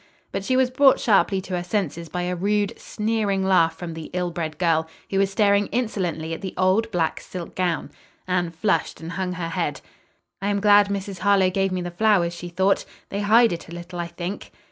But she was brought sharply to her senses by a rude, sneering laugh from the ill bred girl, who was staring insolently at the old black silk gown. Anne flushed and hung her head. "I am glad Mrs. Harlowe gave me the flowers," she thought. "They hide it a little, I think."